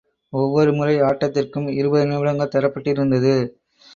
ஒவ்வொரு முறை ஆட்டத்திற்கும் இருபது நிமிடங்கள் தரப்பட்டிருந்தது.